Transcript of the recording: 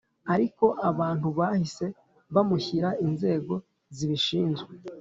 ariko abantu bahise bamushyira inzego zibishinzwe